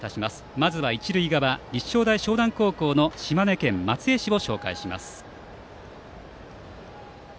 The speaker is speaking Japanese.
まずは一塁側、立正大淞南高校の島根県松江市を紹介します。